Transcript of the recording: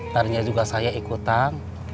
ternyata saya ikutan